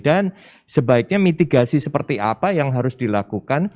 dan sebaiknya mitigasi seperti apa yang harus dilakukan